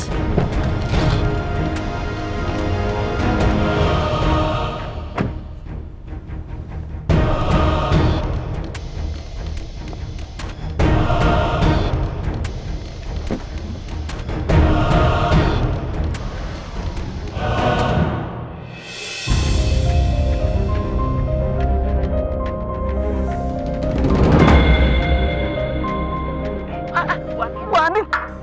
ya serah kamu mas